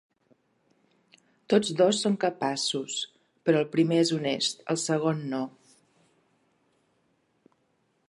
Tots dos són capaços: però el primer és honest, el segon no.